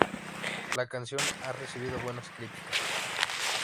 La canción ha recibido buenas críticas.